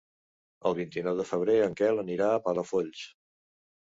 El vint-i-nou de febrer en Quel anirà a Palafolls.